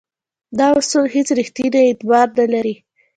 دا اصول هیڅ ریښتینی اعتبار نه لري.